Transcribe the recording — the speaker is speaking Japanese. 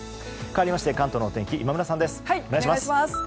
かわりまして関東の天気、今村さんです。